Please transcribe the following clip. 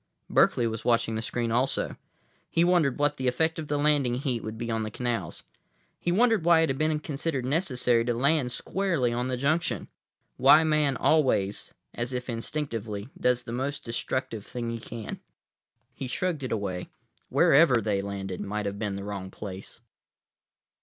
Berkeley was watching the screen also. He wondered what the effect of the landing heat would be on the canals. He wondered why it had been considered necessary to land squarely on the junction; why Man always, as if instinctively, does the most destructive thing he can. He shrugged it away. Wherever they landed might have been the wrong place.